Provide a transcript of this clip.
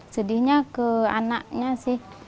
sedihnya ke anaknya sih